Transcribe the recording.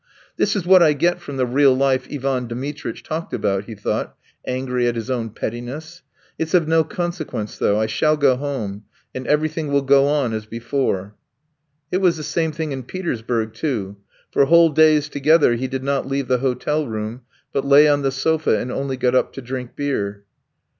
"This is what I get from the real life Ivan Dmitritch talked about," he thought, angry at his own pettiness. "It's of no consequence, though. ... I shall go home, and everything will go on as before ...." It was the same thing in Petersburg too; for whole days together he did not leave the hotel room, but lay on the sofa and only got up to drink beer.